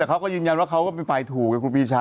แต่เขาก็ยืนยันว่าเขาก็ไม่ไปถูกกับครูพิชา